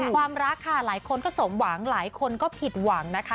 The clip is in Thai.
ความรักค่ะหลายคนก็สมหวังหลายคนก็ผิดหวังนะคะ